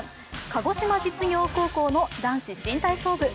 鹿児島実業高校の男子新体操部。